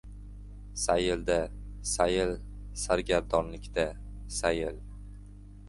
— Sayil-da — sayil, sargardonlik-da — sayil.